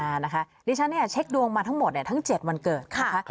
นะคะดิฉันเนี่ยเช็คดวงมาทั้งหมดเนี่ยทั้ง๗วันเกิดนะคะ